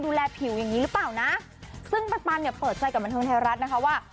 ดูแลผิวอย่างงี้หรือเปล่านะซึ่งปันเนี่ยเปิดใจกับบันเทิงไทยรัฐนะคะว่า